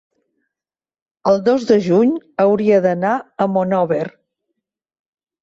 El dos de juny hauria d'anar a Monòver.